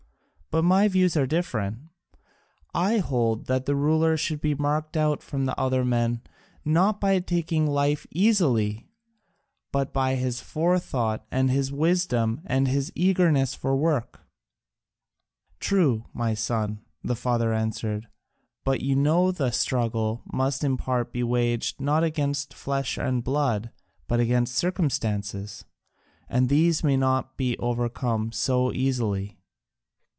But my views are different: I hold that the ruler should be marked out from other men, not by taking life easily, but by his forethought and his wisdom and his eagerness for work." "True, my son," the father answered, "but you know the struggle must in part be waged not against flesh and blood but against circumstances, and these may not be overcome so easily.